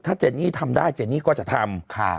เจนนี่ทำได้เจนี่ก็จะทำ